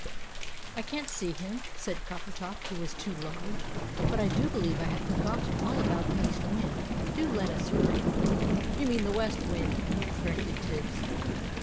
"I can't see him," said Coppertop, who was too large. "But I do believe I had forgotten all about the East Wind. Do let us hurry." "You mean the West Wind," corrected Tibbs.